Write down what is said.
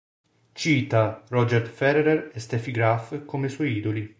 Cita Roger Federer e Steffi Graf come suoi idoli.